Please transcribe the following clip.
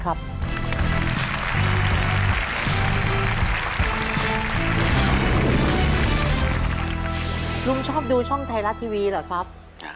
รุ่งชอบดูช่องไทยรัตน์ทีวีหรือครับ